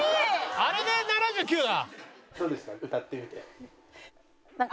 あれで７９だ。